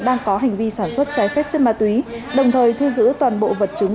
đang có hành vi sản xuất trái phép chất ma túy đồng thời thu giữ toàn bộ vật chứng